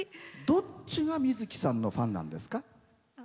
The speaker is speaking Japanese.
どっちが水樹さんのファンなんですか？